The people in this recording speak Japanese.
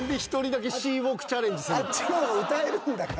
あっちの方が歌えるんだから。